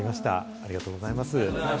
ありがとうございます。